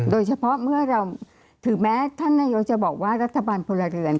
โดยเฉพาะเมื่อเราถึงแม้ท่านนายกจะบอกว่ารัฐบาลพลเรือน